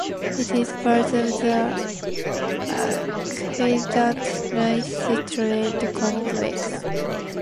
It is part of the Aqueduct Racetrack complex.